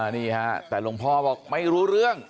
นี่ฮะแต่หลวงพ่อบอกไม่รู้เรื่อง